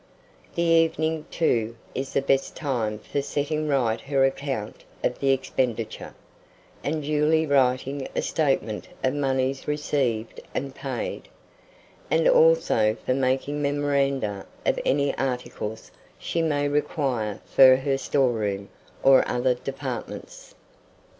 The evening, too, is the best time for setting right her account of the expenditure, and duly writing a statement of moneys received and paid, and also for making memoranda of any articles she may require for her storeroom or other departments.